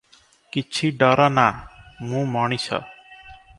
କିଛି ଡର ନାଁ- ମୁଁ ମଣିଷ ।